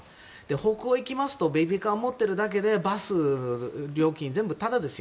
北欧行きますとベビーカーを持っているだけでバスとか電車は全部タダですよ。